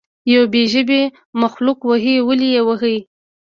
یو بې ژبې مخلوق وهئ ولې یې وهئ.